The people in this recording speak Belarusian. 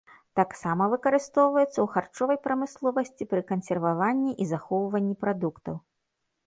Таксама выкарыстоўваюцца ў харчовай прамысловасці пры кансерваванні і захоўванні прадуктаў.